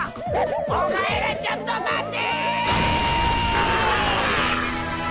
お前らちょっと待て！